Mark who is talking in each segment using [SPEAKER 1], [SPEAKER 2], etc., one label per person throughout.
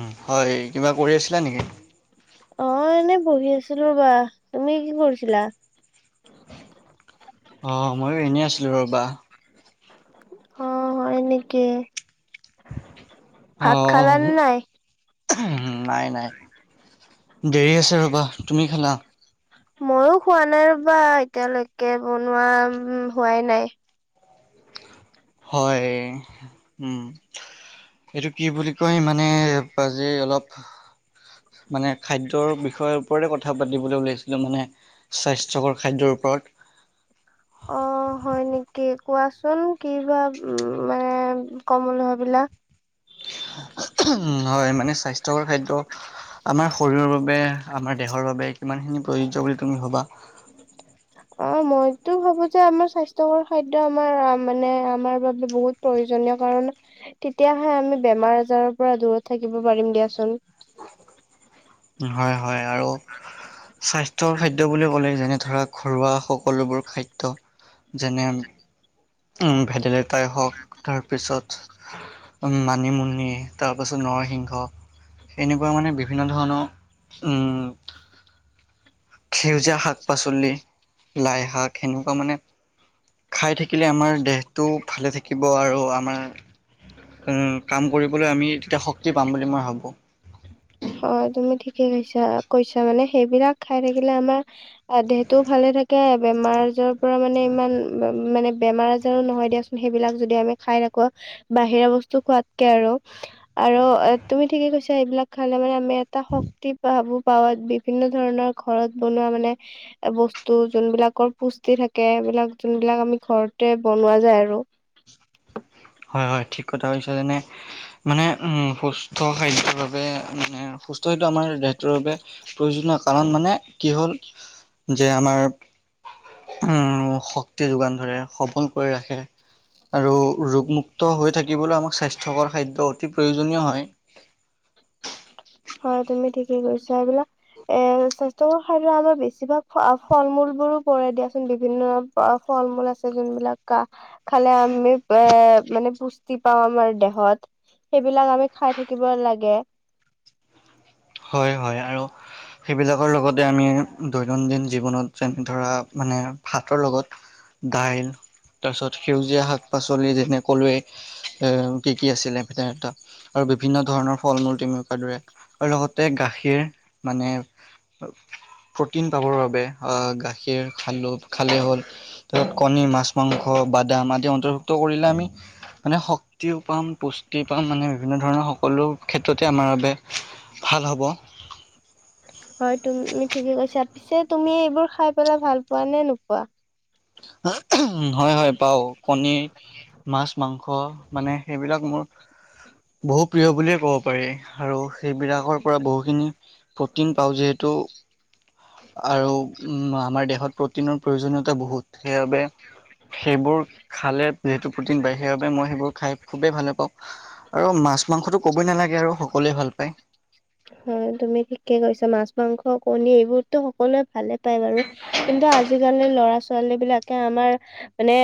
[SPEAKER 1] উম, হয়, কিবা কৰি আছিলা নেকি?
[SPEAKER 2] অ', এনে বহি আছিলোঁ ৰ'বা! তুমি কি কৰিছিলা?
[SPEAKER 1] অ', মইয়ো এনেই আছিলোঁ, ৰ'বা!
[SPEAKER 2] অ', হয় নেকি?
[SPEAKER 1] হ,
[SPEAKER 2] ভাত
[SPEAKER 1] হহ
[SPEAKER 2] খালা নে
[SPEAKER 1] হু
[SPEAKER 2] নাই?
[SPEAKER 1] অহোঁ, নাই, নাই, দেৰি আছে ৰ'বা! তুমি খালা?
[SPEAKER 2] মইয়ো খোৱা নাই ৰ'বা, এতিয়ালৈকে বনোৱা উম হোৱাই নাই।
[SPEAKER 1] হয়, উম, এইটো কি বুলি কয় মানে আজি অলপ মানে খাদ্যৰ বিষয়ৰ ওপৰতে কথা পাতিবলৈ ওলাইছিলোঁ মানে স্বাস্থ্যকৰ খাদ্যৰ ওপৰত।
[SPEAKER 2] অ' হয় নেকি, কোৱাচোন কি বা মানে কম বুলি ভাবিলা?
[SPEAKER 1] উহুম হয়, মানে স্বাস্থ্যকৰ খাদ্য আমাৰ শৰীৰৰ বাবে, আমাৰ দেহৰ বাবে কিমানখিনি প্ৰয়োজ্য বুলি তুমি ভবা?
[SPEAKER 2] অ' মইতো ভাবোঁ যে আমাৰ স্বাস্থ্যকৰ খাদ্য আমাৰ মানে আমাৰ বাবে বহুত প্ৰয়োজনীয় কাৰণ তেতিয়াহে আমি বেমাৰ আজাৰৰ পৰা দূৰত থাকিব পাৰিম দিয়াচোন।
[SPEAKER 1] ওম হয়, হয় আৰু
[SPEAKER 2] [unintelligible]
[SPEAKER 1] স্বাস্থ্যৰ খাদ্য বুলি ক'লে যেনে ধৰা ঘৰুৱা সকলোবোৰ খাদ্য। [inaudible] যেনে [inaudible] ভেদাইলতাই হওক। তাৰপিছত মানিমুনি [inaudible] তাৰপাছত নৰসিংহ এনেকুৱা মানে বিভিন্ন ধৰণৰ [inaudible] উম। [inaudible] সেউজীয়া শাক-পাচলি, লাইশাক সেনেকুৱা মানে [inaudible] খাই থাকিলে আমাৰ দেহটো ভালে থাকিব আৰু আমাৰ [inaudible] উম! কাম কৰিবলৈ আমি তেতিয়া শক্তি পাম বুলি মই ভাবোঁ। [unintelligible]
[SPEAKER 2] হয় তুমি ঠিকে কৈছা। ‌ কৈছা, মানে সেইবিলাক খাই থাকিলে আমাৰ [inaudible] [unintelligible] দেহটোও ভালে থাকে। বেমাৰ আজাৰৰ পৰা মানে ইমান [unintelligible] মানে বেমাৰ আ [unintelligible] নহয় দিয়া চোন, সেইবিলাক যদি আমি খাই থাকোঁ। বাহিৰা বস্তু খোৱাতকে আৰু। আৰু এ তুমি ঠিকে কৈছা এইবিলাক [unintelligible] খালে মানে আমি এটা শক্তি পাব পাৰো। বিভিন্ন ধৰণৰ ঘৰত বনোৱা মানে [inaudible] বস্তু যোনবিলাকৰ পুষ্টি থাকে। এইবিলাক যোনবিলাক আমি ঘৰতে বনোৱা যায় আৰু। [unintelligible]
[SPEAKER 1] হয়-হয়। ঠিক কথা কৈছা যেনে [inaudible] মানে উম সুস্থ খাদ্যৰ বাবে মানে সুস্থ এইটো আমাৰ দেহটোৰ বাবে [unintelligible] প্ৰয়োজনীয় কাৰণ মানে কি হ'ল যে আমাৰ [unintelligible] উম! শক্তি যোগান ধৰে, সবল কৰি ৰাখে আৰু ৰোগ মু [unintelligible] মুক্ত হৈ থাকিবলৈ আমাক স্বাস্থ্যকৰ খাদ্য অতি প্ৰয়োজনীয় হয়। [inaudible]
[SPEAKER 2] হয়। তুমি ঠিকে কৈছা এইবিলাক [inaudible] এ স্বাস্থ্যকৰ খাদ্য আমাৰ বেছিভাগ ফল-মূল বোৰো পৰে দিয়া চোন বিভিন্ন [unintelligible] [unintelligible] ফল-মূল আছে যোনবিলাক কা [unintelligible] খালে আমি এ মানে পুষ্টি পাওঁ আমাৰ দেহত। [inaudible] সেইবিলাক আমি খাই থাকিব লাগে। [unintelligible]
[SPEAKER 1] হয়-হয়। আৰু [unintelligible] সেইবিলাকৰ লগতে আমি দৈনন্দিন জীৱনত যেনে ধৰা, মানে ভাতৰ লগত [inaudible] দাইল [unintelligible] তাৰপিছত সেউজীয়া শাক-পাচলি যেনে কলোৱেই এ কি কি আছিলে এ তাত [inaudible] আৰু বিভিন্ন ধৰণৰ ফল-মূল তুমি কোৱাৰ দৰে। [inaudible] আৰু লগতে গাখীৰ মানে [unintelligible] প্ৰ'টিন পাবৰ বাবে অ গাখীৰ খালো, খালে হ'ল। [unintelligible] তাৰপিছত কণী, মাছ, মাংস, বাদাম আদি অন্তৰ্ভুক্ত কৰিলে আমি [unintelligible] মানে শক্তিও পাম, পুষ্টি পাম মানে বিভিন্ন ধৰণৰ সকলো ক্ষেত্ৰতে আমাৰ বাবে [inaudible] ভাল হ'ব। [inaudible]
[SPEAKER 2] হয়। তুমি ঠিকে কৈছা। পিছে তুমি এইবোৰ খাই পেলাই ভাল পোৱা নে নোপোৱা? [inaudible]
[SPEAKER 1] হয়-হয়। পাওঁ কণী [inaudible] মাছ, মাংস মানে সেইবিলাক মোৰ [unintelligible] বহু প্ৰিয় বুলিয়ে ক'ব পাৰি আৰু সেইবিলাকৰ পৰা বহুখিনি প্ৰটিন পাওঁ যিহেতু। [inaudible] আৰু উম আমাৰ দেহত প্ৰটিনৰ প্ৰয়োজনীয়তা বহুত সেইবাবে [unintelligible] সেইবোৰ খালে যিহেতু প্ৰটিন পায় সেইবাবে মই সেইবোৰ খাই খুবেই ভালে পাওঁ। [inaudible] আৰু মাছ-মাংসটো ক'বই নালাগে আৰু সকলোৱে ভাল পায়। [inaudible]
[SPEAKER 2] হয়। তুমি ঠিকে কৈছা। মাছ, মাংস, কণী এইবোৰতো সকলোৱে [unintelligible] ভালে পাই বাৰু। কিন্তু আজিকালি ল'ৰা-ছোৱালী বিলাকে আমাৰ [inaudible] মানে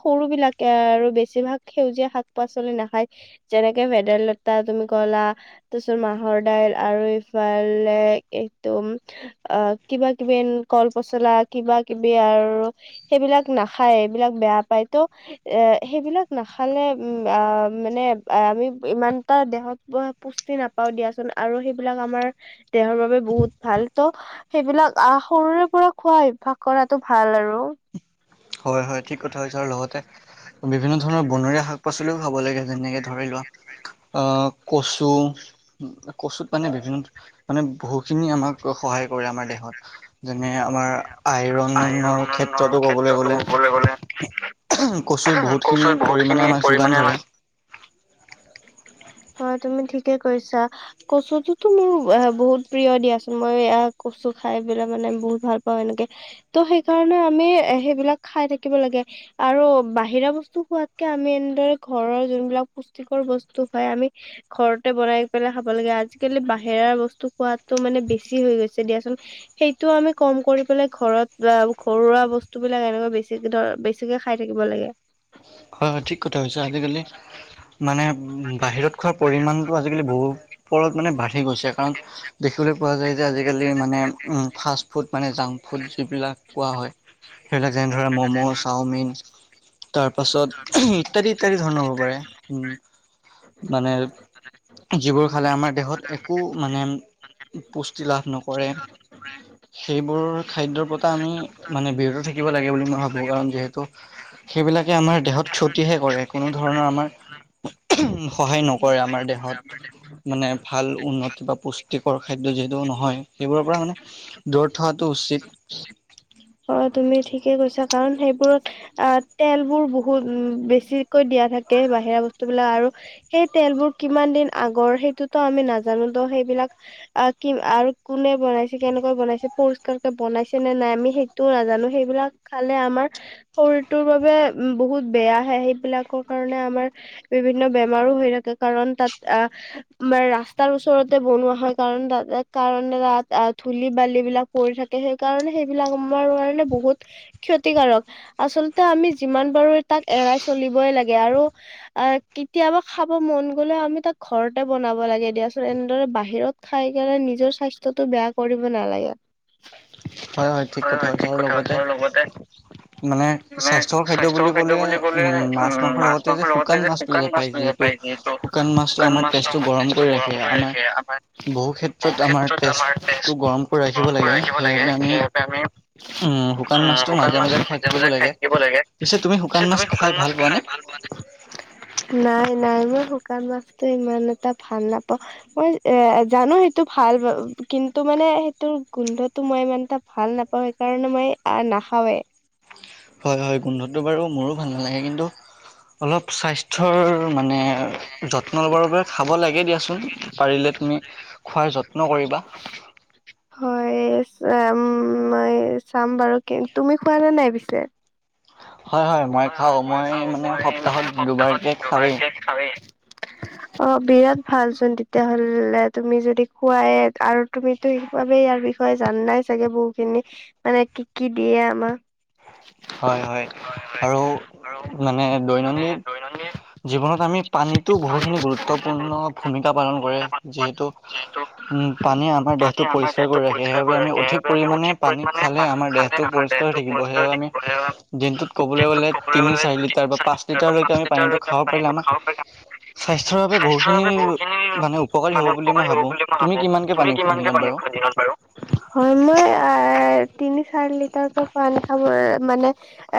[SPEAKER 2] সৰু বিলাকে আৰু বেছিভাগ সেউজীয়া শাক-পাচলি নাখায়। [unintelligible] যেনেকে ভেদাইলতা তুমি ক'লা তাৰ পিছত মাহৰ [inaudible] দাইল আৰু ইফালে একদম অ কিবা কিবি কল পচলা কিবা কিবি আৰু সেইবিলাক নাখায় এইবিলাক বেয়া পায় তো এ সেইবিলাক নাখালে উম মানে আমি ইমানটা দেহত পুষ্টি নাপাও দিয়াচোন আৰু সেইবিলাক আমাৰ দেহৰ বাবে বহুত ভাল ত সেইবিলাক আহ সৰুৰে পৰা খোৱা অভ্যাস কৰাটো ভাল আৰু।
[SPEAKER 1] হয় হয় ঠিক কথা কৈছা আৰু লগতে বিভিন্ন ধৰণৰ বনৰীয়া শাক পাচলিও খাব লাগে যেনেকে ধৰি লোৱা অ কচু, কচুত মানে বিভিন্ন মানে বহুখিনি আমাৰ সহায় কৰে আমাৰ দেহত যেনে আমাৰ আইৰননৰ ক্ষেত্ৰতো ক গ'লে কচুৰ বহুতখিনি পৰিমাণে আমাক যোগান ধৰে।
[SPEAKER 2] হয় তুমি ঠিকে কৰিছা। কচুটোতো মোৰ বহুত প্ৰিয় দিয়াচোন মই কচু খাই পেলাই মানে বহুত ভাল পাওঁ এনেকে ত সেই কাৰণে আমি এ সেইবিলাক খাই থাকিব লাগে আৰু বাহিৰা বস্তু খোৱাতকে আমি এনেদৰে ঘৰৰ যোনবিলাক পুষ্টিকৰ বস্তু হয় আমি ঘৰতে বনাই পেলাই খাব লাগে। আজিকালি বাহিৰা বস্তু খোৱটো মানে বেছি হৈ গৈছে দিয়াচোন। সেইটো আমি কম কৰি পেলাই ঘৰত বা ঘৰুৱা বস্তু বিলাক এনেকুৱৈ বেছি ধৰ বেছি বেছিকে খাই থাকিব লাগে।
[SPEAKER 1] হয় হয় ঠিক কথা কৈছা। আজিকালি মানে বাহিৰত খোৱাৰ পৰিমাণটো আজিকালি বহুত ওপৰত মানে বাঢ়ি গৈছে কাৰণ দেখিবলৈ পোৱা যায় যে আজিকালি মানে উম ফাষ্ট ফুড মানে জাংক ফুড যিবিলাক কোৱা হয় সেইবিলাক যেনে ধৰে মম, চাওমিন তাৰ পাছত ইত্যাদি ইত্যাদি ধৰণৰ হ'ব পাৰে উম মানে যিবোৰ খালে আম আমাৰ দেহত একো মানে পুষ্টি লাভ নকৰে। সেইবোৰ খাদ্যৰ পৰা আমি মানে বিৰত থাকিব লাগে বুলি মই ভাবো কাৰণ যিহেতু সেইবিলাকে আমাৰ দেহত ক্ষতিহে কৰে, কোনো ধৰণৰ আমাৰ সহায় নকৰে আমাৰ দেহত। মানে ভাল উন্নত বা পুষ্টিকৰ খাদ্য যিহেতু নহয়, সেইবোৰৰ পৰা মানে দূৰত থকাতো উচিত।
[SPEAKER 2] হয় তুমি ঠিকে কৈছা কাৰণ সেইবোৰত অ তেলবোৰ বহুত উম বেছিকৈ দিয়া থাকে বাহিৰা বস্তু বিলাক আৰু সেই তেলবোৰ কিমান দিন আগৰ সেইটোতো আমি নাজানো তো সেইবিলাক অ কি আৰু কোনে বনাইছে কেনেকুৱা বনাইছে পৰিষ্কাৰকে বনাইছে নে নাই আমি সেই টো নাজানো সেইবিলাক খালে আমাৰ শৰীৰটোৰ বাবে বহুত বেয়াহে সেইবিলাকৰ কাৰণে আমাৰ বিভিন্ন বেমাৰো হৈ থাকে কাৰণ তাত আহ আমাৰ ৰাস্তাৰ ওচৰতে বনোৱা হয় কাৰণ তা কাৰণে তাত ধূলি বাল বিলাক পৰি থাকে সেইকাৰণে সেইবিলাক আমাৰ কাৰণে বহুত ক্ষতিকাৰক, আচলতে আমি যিমান পাৰো তাক এৰাই চলিবই লাগে আৰু অ কেতিয়াবা খাব মন গ'লে আমি তাক ঘৰতে বনাব লাগে দিয়াচোন এনেদৰে বাহিৰত খাই কেনে নিজৰ স্বাস্থ্যতটো বেয়া কৰিব নালাগে।
[SPEAKER 1] হয় হয় ঠিক কথা কৈছা আৰু লগতে মানে স্বাস্থ্যৰ খাদ্য বুলি ক'লে উম, মাছ মাংসৰ লগতে যে শুকান মাছটো যে পায় যি টো শুকান মাছটো আমাৰ তেজটো গৰম কৰি ৰাখে, আমাৰ বহু ক্ষেত ছত আমাৰ তেছটো গৰম কৰি ৰাখিব লাগে সেইবাবে আমি উম, শুকান মাছটো মাজে মাজে খাই থাকিব লাগে, পিছে তুমি শুকান মাছ খাই ভাল পোৱা নে। [unintelligible]
[SPEAKER 2] নাই নাই মই শুকান মাছটো ইমান এটা ভাল নাপাওঁ। মই এ এ জানো সেইটো ভাল ব কিন্তু মানে সেইটোৰ গোন্ধটো মই ইমান এটা ভাল নাপাওঁ সেইকাৰণে মই আ' নাখাওঁৱে।
[SPEAKER 1] হয় হয় গোন্ধটো বাৰু মোৰো ভাল নালাগে কিন্তু অলপ স্বাস্থ্যৰ মানে যত্ন ল'বৰ বাবে খাব লাগে দিয়াচোন পাৰিলে তুমি। খোৱাৰ যত
[SPEAKER 2] [unintelligible] হয় চ- ম- মই চাম বাৰু কি তুমি খোৱা নে নাই পিছে।
[SPEAKER 1] হয় মই
[SPEAKER 2] হয় হয়
[SPEAKER 1] খাওঁ
[SPEAKER 2] মই খাওঁ
[SPEAKER 1] মানে
[SPEAKER 2] মই
[SPEAKER 1] সপ্তাহত
[SPEAKER 2] এসপ্তাহত
[SPEAKER 1] দুবাৰকে খাওঁৱেই
[SPEAKER 2] দুবাৰকে খাৱে। অ' বিৰাট ভালচোন তেতিয়াহ'লে তুমি যদি খুৱাই আৰ তুমিতো সেইবাবে ইয়াৰ বিষয়ে জাননাই চাগে বহু খিনি মানে কি কি দিয়ে আমাক।
[SPEAKER 1] হয় হয়, আৰু মানে দৈনন্দিন জীৱনত আমি পানীতো বহুখিনি গুৰুত্বপূৰ্ণ ভূমিকা পালন কৰে। যিহেতু
[SPEAKER 2] [unintelligible]
[SPEAKER 1] উম পানীয়ে আমাৰ
[SPEAKER 2] পানী
[SPEAKER 1] দেহটো
[SPEAKER 2] আমাৰ
[SPEAKER 1] পৰিষ্কাৰ
[SPEAKER 2] দেহটো
[SPEAKER 1] কৰি ৰাখে
[SPEAKER 2] পৰিষ্কাৰ
[SPEAKER 1] সেইবাবে
[SPEAKER 2] কৰি
[SPEAKER 1] আমি
[SPEAKER 2] ৰাখে
[SPEAKER 1] অধিক
[SPEAKER 2] সেইবাবে আমি
[SPEAKER 1] পৰিমাণে
[SPEAKER 2] অধিক
[SPEAKER 1] পানী
[SPEAKER 2] পৰিমানে
[SPEAKER 1] খালে
[SPEAKER 2] পানী
[SPEAKER 1] আমাৰ
[SPEAKER 2] খাল
[SPEAKER 1] দেহটো
[SPEAKER 2] আমাৰ
[SPEAKER 1] পৰিষ্কাৰ হৈ
[SPEAKER 2] দেহতো
[SPEAKER 1] থাকিব
[SPEAKER 2] পৰিষ্কাৰ
[SPEAKER 1] সেয়ে
[SPEAKER 2] হৈ
[SPEAKER 1] আমি
[SPEAKER 2] থাকিব
[SPEAKER 1] দিনটোত
[SPEAKER 2] [unintelligible]
[SPEAKER 1] ক'বলৈ
[SPEAKER 2] দিনতোত
[SPEAKER 1] গ'লে
[SPEAKER 2] ক'বলৈ
[SPEAKER 1] তিনি
[SPEAKER 2] গ'লে
[SPEAKER 1] চাৰি লিটাৰ বা
[SPEAKER 2] তিনি চাৰি
[SPEAKER 1] পাঁচ
[SPEAKER 2] লিটাৰ বা
[SPEAKER 1] লিটাৰলৈকে
[SPEAKER 2] পাঁচ
[SPEAKER 1] আমি পানীটো
[SPEAKER 2] লিটাৰ
[SPEAKER 1] খাব পাৰিলে
[SPEAKER 2] পানীটো
[SPEAKER 1] আমাৰ
[SPEAKER 2] খাব পাৰি।
[SPEAKER 1] স্বাস্থ্যৰ বাবে
[SPEAKER 2] স্বাস্থ্যৰ
[SPEAKER 1] বহুখিনি
[SPEAKER 2] বাবে বহুতখিনি
[SPEAKER 1] মানে উপকাৰী হ'ব
[SPEAKER 2] মানে
[SPEAKER 1] বুলি মই
[SPEAKER 2] উপকাৰী হ'ব
[SPEAKER 1] ভাবোঁ।
[SPEAKER 2] বুলি মই
[SPEAKER 1] তুমি
[SPEAKER 2] ভাবো,
[SPEAKER 1] কিমানকে
[SPEAKER 2] তুমি
[SPEAKER 1] পানী খোৱা
[SPEAKER 2] কিমানকে
[SPEAKER 1] দিনত
[SPEAKER 2] পানী
[SPEAKER 1] বাৰু?
[SPEAKER 2] খোৱা দিনত বাৰু। হয়। মই এ তিনি চাৰি লিটাৰকৈ পানী খাব এ মানে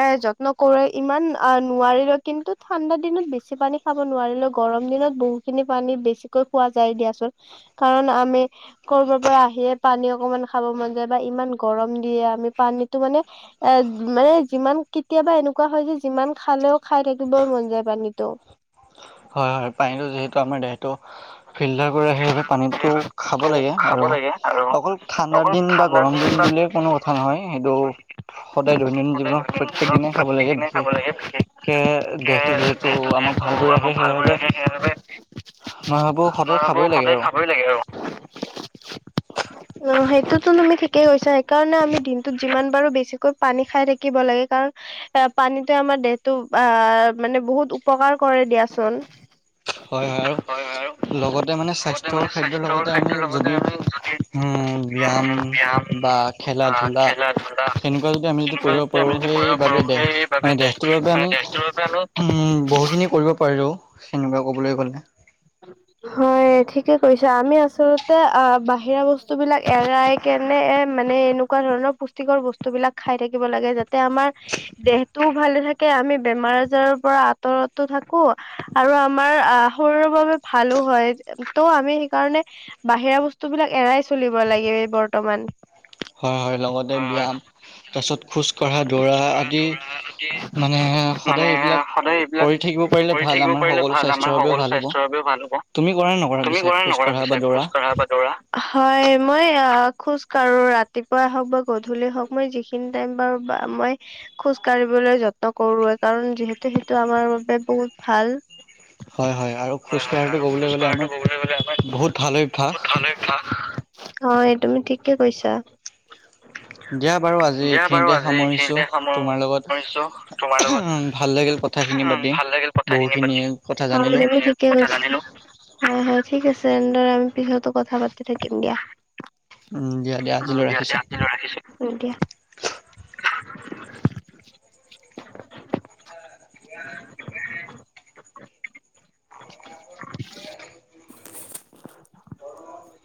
[SPEAKER 2] এ', যত্ন কৰোৱে ইমান নোৱাৰিলেও কিন্তু ঠাণ্ডা দিনত বেছি পানী খাব নোৱাৰিলেও গৰম দিনত বহুতখিনি পানী বেছিকৈ খোৱা যায় দিয়াচোন। কাৰণ - আমি ক'ৰবাৰ পৰা আহিয়ে পানী অকমান খাব মন যায় বা ইমান গৰম দিয়ে আমি পানীতো মানে এগ মানে যিমান কেতিয়াবা এনেকুৱা হয় যে যিমান খালেও খাই থাকিবই মন যায় পানীটো।
[SPEAKER 1] হয়, হয়, পানীটো যিহেতু আমাৰ দেহ টো ফিল্টাৰ কৰে সেইবাবে পানীটো খাব লাগে আৰু অকল ঠাণ্ডাৰ দিন বা গৰম দিন বুলি কোনো কথা নহয় সেইটো সদায় দৈনিন জীৱনত প্ৰত্যেক দিনাই খাব লাগে। বিশেষকে দেহটো যিহেত টো আমাক ভাল কৰি ৰাখে সেইবাবে। মই ভাবো সদায়
[SPEAKER 2] মাৰ্ব
[SPEAKER 1] খাবই লাগে
[SPEAKER 2] সদায়
[SPEAKER 1] আৰু
[SPEAKER 2] খাবই লাগে অ।
[SPEAKER 1] [unintelligible]
[SPEAKER 2] অ' সেইটোতো তুমি ঠিকেই কৈছা সেইকাৰণে আমি দিনটোত যিমান পাৰো বেছিকৈ পানী খাই থাকিব লাগে কাৰণ এ পানীটোৱে আমাৰ দেহটো আহ মানে বহুত উপকাৰ কৰে দিয়াচোন।
[SPEAKER 1] হয় হয় আৰু লগতে মানে স্বাস্থ্যকৰ খাদ্যৰ লগতে আমি যদি, উম, ব্যায়াম বা খেলা ধূলা, সেনেকুৱা যদি আমি যদি কৰিব পাৰো সেইবাবে দেহ মানে দেহটোৰ বাবে আমি উম, বহুখিনি কৰিব পাৰিলো সেনেকুৱা ক'বলৈ গ'লে।
[SPEAKER 2] উ [unintelligible] হয়বঠিকে কৈছা আমি আচলতে আ বাহিৰা বস্তুবিলাক এৰাই কেনে এ মানে এনোক কুৱা ধৰণৰ পুষ্টিকৰ বস্তু বিলাক খাই থাকিব লাগে যাতে আমাৰ দেহটোও ভালে থাকে। আমি বেমাৰ আজাৰৰ পৰা আঁতৰতো থাকো। আৰু আমাৰ আহ শৰীৰৰ বাবে ভালো হয় ত' আমি সেইকাৰণে বাহিৰা বস্তু বিলাক এৰাই চলিব লাগিব বৰ্তমান।
[SPEAKER 1] হয় হয়। লগতে ব্যায়াম, তাৰপিছত খোজকঢ়া, দৌৰা আদি মানে সদায় এইবিলাক কৰি থাকিব পাৰিলে ভাল। আমাৰ সকলো স্বাস্থ্যৰ বাবেও ভাল হ'ব। তুমি কৰা নে নকৰা পিছে, খোজকঢ়া বা দৌৰা?
[SPEAKER 2] খোজকঢ়া বা দৌৰা হয়। মই আ খোজ কাঢ়ো। ৰাতিপুৱাই হওক বা গধূলি হওক মই যিখি নি টাইম পাওঁ বা মই খোজ কাঢ়িবলৈ যত্ন কৰোৱে, কাৰণ যিহেতু সেইটো আমাৰ বাবে বহুত ভাল।
[SPEAKER 1] হয় হয়, আৰু খোজ কঢ়াটো ক'বলৈ গ'লে আমাৰ বহুত ভাল অভ্যাস।
[SPEAKER 2] আঃ হয়, তুমি ঠিকে কৈছা।
[SPEAKER 1] দিয়া বাৰু আজি
[SPEAKER 2] দিয়া বাৰু
[SPEAKER 1] এইখিনিতে
[SPEAKER 2] আজি
[SPEAKER 1] সামৰিছোঁ
[SPEAKER 2] এইখিনিতে
[SPEAKER 1] তোমাৰ লগত
[SPEAKER 2] সামৰিছো তোমাৰ লগত
[SPEAKER 1] ভাল লাগিল কথাখিনি
[SPEAKER 2] উম,
[SPEAKER 1] পাতি।
[SPEAKER 2] ভাল লাগিল কথাখিনি
[SPEAKER 1] বহুখিনি
[SPEAKER 2] পাতি।
[SPEAKER 1] কথা
[SPEAKER 2] হয়
[SPEAKER 1] জানিলোঁ।
[SPEAKER 2] [unintelligible] [unintelligible] হয় হয়, ঠিক আছে তেনে আমি পিছত কথা পাতি থাকিম দিয়া।
[SPEAKER 1] উম দিয়া
[SPEAKER 2] উম,
[SPEAKER 1] আজিলৈ
[SPEAKER 2] দিয়া
[SPEAKER 1] ৰাখিছো
[SPEAKER 2] দিয়া আজিলৈ ৰাখিছো। উম দিয়া।
[SPEAKER 1] [inaudible]
[SPEAKER 2] [inaudible]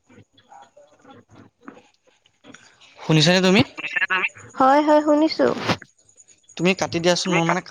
[SPEAKER 2] [inaudible]
[SPEAKER 1] শুনিছা নে তুমি?
[SPEAKER 2] হয় হয়, শুনিছো।
[SPEAKER 1] তুমি কাটি দিয়াচোন, মোৰ মানে কাট